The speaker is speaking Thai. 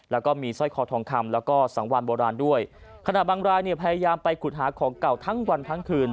แล้วก็มีสร้อยคอทองคำแล้วก็สังวานโบราณด้วยขณะบางรายเนี่ยพยายามไปขุดหาของเก่าทั้งวันทั้งคืน